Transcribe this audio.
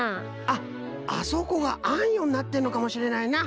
あっあそこがあんよになってるのかもしれないな。